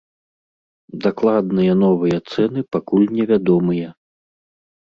Дакладныя новыя цэны пакуль невядомыя.